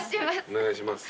お願いします。